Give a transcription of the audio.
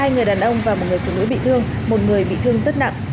hai người đàn ông và một người phụ nữ bị thương một người bị thương rất nặng